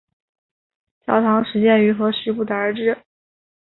教堂始建于何时不得而知。